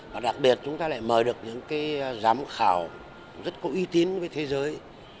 và đặc biệt chúng ta lại mời được những cái giám khảo rất có uy tín với thế giới